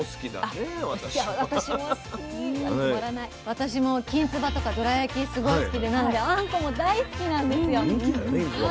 私もきんつばとかどら焼きすごい好きでなのであんこも大好きなんですよ。